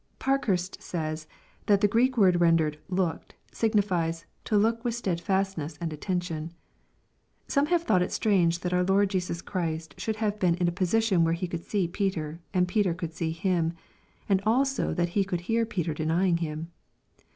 ] Parkhurst says, that the Greek word rendered " looked," signifies " to look with stedfastness and atten tion." Some have thought it strange that our Lord Jesus Christ should have been in a position where He could see Peter, and Peter could Bee Him, and also that He could hear Peter denying Him.